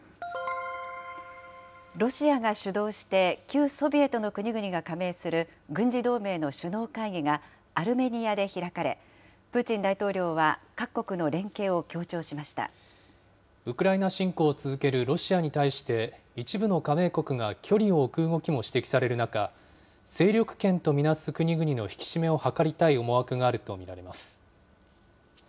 ロシアが主導して旧ソビエトの国々が加盟する軍事同盟の首脳会議がアルメニアで開かれ、プーチン大統領は各国の連携を強調しウクライナ侵攻を続けるロシアに対して、一部の加盟国が距離を置く動きも指摘される中、勢力圏と見なす国々の引き締めを図りたい思惑があると見られます。